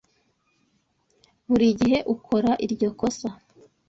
Buri gihe ukora iryo kosa.